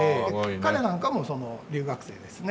彼なんかもその留学生ですね。